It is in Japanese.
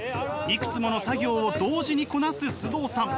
いくつもの作業を同時にこなす須藤さん。